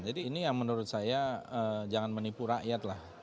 jadi ini yang menurut saya jangan menipu rakyat lah